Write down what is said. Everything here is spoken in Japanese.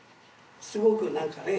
すごく何かね